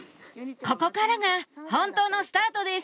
ここからが本当のスタートです